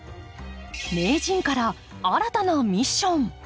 名人から新たなミッション。